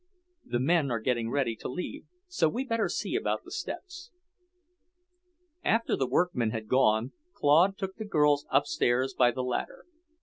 The men are getting ready to leave, so we'd better see about the steps." After the workmen had gone, Claude took the girls upstairs by the ladder.